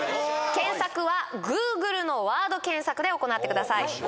検索はＧｏｏｇｌｅのワード検索で行ってください